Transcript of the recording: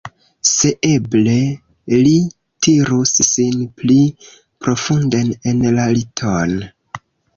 Se eble, li tirus sin pli profunden en la liton.